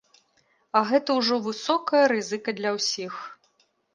А гэта ўжо высокая рызыка для ўсіх.